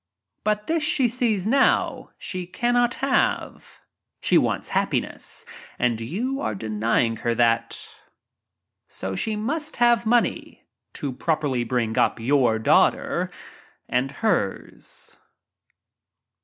But this she sees now she cannot have. She wants hap piness—and you are denying her that. So she must ft THE "GOLD DIGGER" 47 —to properly bring up your daughter ners."